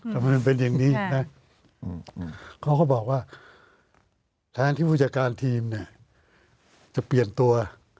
ทำไมมันเป็นอย่างนี้อีกนะเขาก็บอกว่าแทนที่ผู้จัดการทีมเนี่ยจะเปลี่ยนตัว